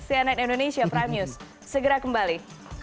cnn indonesia prime news segera kembali